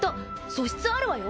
素質あるわよ。